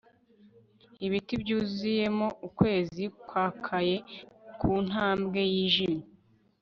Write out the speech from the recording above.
ibiti byuzuyemo ukwezi kwakaye kuntambwe yijimye